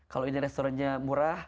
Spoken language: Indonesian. kalo ini restorannya murah